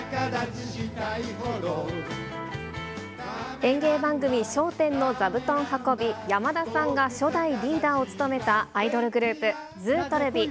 演芸番組、笑点の座布団運び、山田さんが初代リーダーを務めたアイドルグループ、ずうとるび。